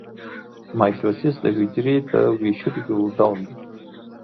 مایټوسیس د حجرې د ویشلو یو ډول دی